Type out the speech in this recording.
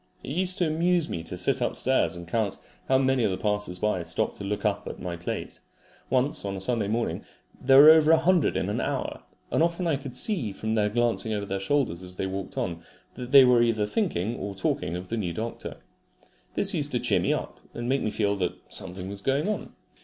It used to amuse me to sit upstairs and count how many of the passers by stopped to look at my plate. Once (on a Sunday morning) there were over a hundred in an hour, and often I could see from their glancing over their shoulders as they walked on, that they were thinking or talking of the new doctor. This used to cheer me up, and make me feel that something was going on.